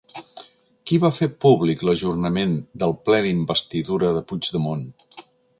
Qui va fer públic l'ajornament del ple d'investidura de Puigdemont?